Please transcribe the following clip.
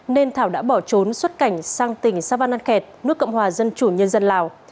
nên thảo đã bỏ trốn xuất cảnh sang tỉnh sao van an khẹt nước cộng hòa dân chủ nhân dân lào